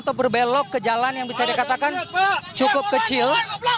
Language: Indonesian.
atau berbelok ke jalan yang bisa dikatakan cukup kecil